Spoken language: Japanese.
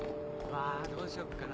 あどうしよっかな。